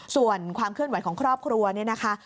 ส่วนความเคลื่อนไหวของครอบครัวเนี่ยนะคะ